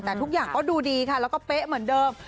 แต่ทุกอย่างก็ดูดีค่ะแล้วก็เป๊ะเหมือนเดิม